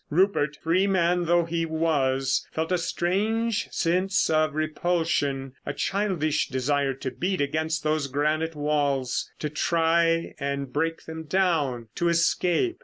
Rupert, free man though he was, felt a strange sense of repulsion, a childish desire to beat against those granite walls, to try and break them down, to escape.